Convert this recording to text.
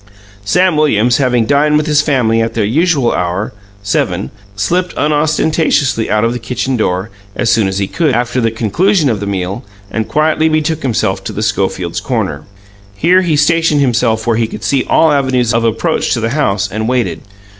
... Sam Williams, having dined with his family at their usual hour, seven, slipped unostentatiously out of the kitchen door, as soon as he could, after the conclusion of the meal, and quietly betook himself to the Schofields' corner. Here he stationed himself where he could see all avenues of approach to the house, and waited.